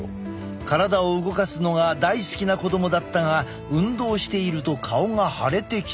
体を動かすのが大好きな子どもだったが運動していると顔が腫れてきた。